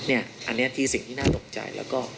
อันนี้คือสิ่งที่น่าตกใจ